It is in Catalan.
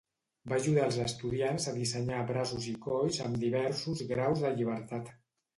Va ajudar els estudiants a dissenyar braços i colls amb diversos graus de llibertat.